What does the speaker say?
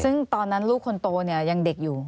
ซึ่งตอนนั้นลูกคนโตเนี่ยยังเด็กอยู่